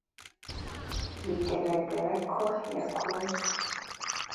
bigaragaza ko yakunzwe